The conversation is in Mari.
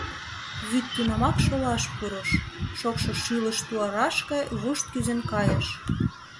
Вӱд тунамак шолаш пурыш, шокшо шӱлыш туарашке вушт кӱзен кайыш.